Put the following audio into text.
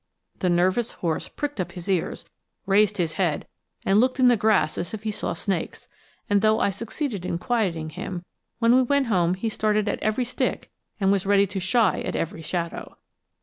The nervous horse pricked up his ears, raised his head, and looked in the grass as if he saw snakes, and though I succeeded in quieting him, when we went home he started at every stick and was ready to shy at every shadow.